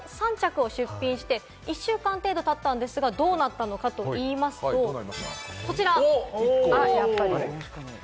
柳迫さん、こちらの３着を出品して１週間程度経ったんですが、どうなったのかといいますと、こちら。